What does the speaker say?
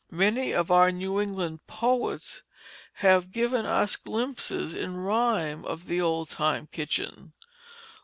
Many of our New England poets have given us glimpses in rhyme of the old time kitchen.